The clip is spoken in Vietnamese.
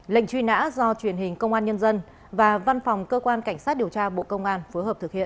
lệnh truy nã do truyền hình công an nhân dân và văn phòng cơ quan cảnh sát điều tra bộ công an phối hợp thực hiện